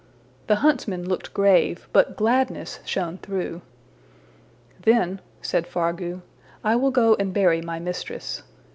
The huntsmen looked grave, but gladness shone through. ``Then,'' said Fargu, ``I will go and bury my mistress.''